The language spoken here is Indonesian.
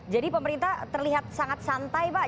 jadi pemerintah terlihat sangat santai pak